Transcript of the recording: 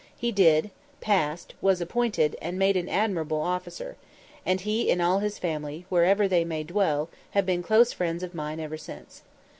He did, passed, was appointed, and made an admirable officer; and he and all his family, wherever they may dwell, have been close friends of mine ever since.